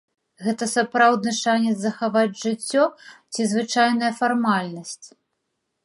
Гэта сапраўдны шанец захаваць жыццё ці звычайная фармальнасць?